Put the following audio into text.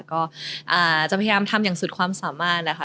ก็จะพยายามทำอย่างสุดความสามารถนะคะ